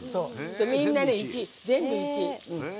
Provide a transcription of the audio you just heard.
みんな、１、全部、１。